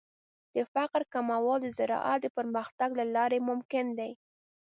د فقر کمول د زراعت د پرمختګ له لارې ممکن دي.